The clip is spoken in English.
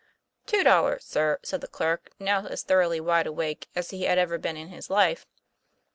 "Two dollars, sir," said the clerk, now as thor oughly wide awake as he had ever been in his life.